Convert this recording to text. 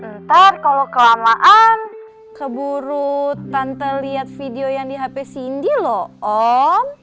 ntar kalau kelamaan keburu tante lihat video yang di hp cindy loh om